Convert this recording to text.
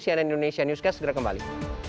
cnn indonesia newscast segera kembali